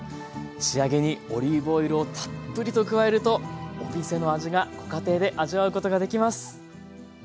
仕上げにオリーブオイルをたっぷりと加えるとお店の味がご家庭で味わうことができます。